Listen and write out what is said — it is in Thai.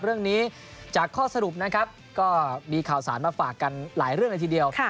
เรื่องนี้จากข้อสรุปนะครับก็มีข่าวสารมาฝากกันหลายเรื่องเลยทีเดียว